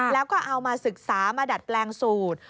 แล้วก็เอามาศึกษามาดัดแปลงสูตร